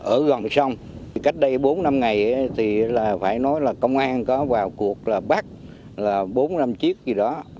ở gần sông cách đây bốn năm ngày thì phải nói là công an có vào cuộc bắt bốn năm chiếc gì đó